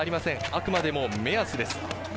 あくまでも目安です。